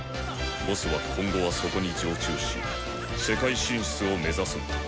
ボスは今後はそこに常駐し世界進出を目指すのだ。